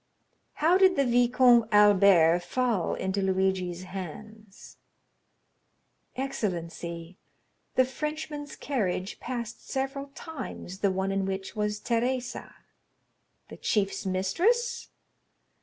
"How did the Viscount Albert fall into Luigi's hands?" "Excellency, the Frenchman's carriage passed several times the one in which was Teresa." "The chief's mistress?"